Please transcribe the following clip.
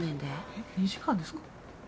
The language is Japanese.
えっ２時間ですか？